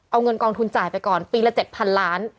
เอาเงินกองทุนจ่ายไปก่อนปีละ๗๐๐ล้าน